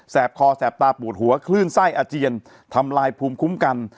คอแสบตาปูดหัวคลื่นไส้อาเจียนทำลายภูมิคุ้มกัน